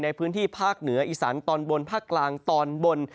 ในพื้นที่ภาคเหนืออีสานตอนบนภาคกลางตอนบน